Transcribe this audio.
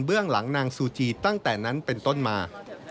หลังนางซูจีตั้งแต่นั้นเป็นต้นมา